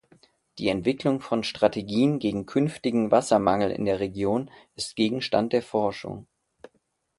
Die Entwicklung von Strategien gegen künftigen Wassermangel in der Region ist Gegenstand der Forschung.